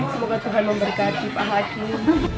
semoga tuhan memberkati pak hakim